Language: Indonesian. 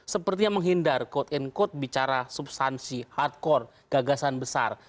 sepertinya menghindar quote unquote bicara substansi hardcore gagasan besar